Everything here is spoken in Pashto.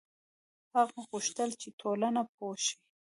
هغه غوښتل چې ټولنه پوه شي.